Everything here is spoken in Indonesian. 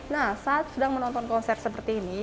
nah saat sedang menonton konsep seperti ini